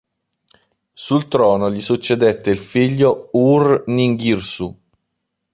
Sul trono gli succedette il figlio Ur-Ninghirsu.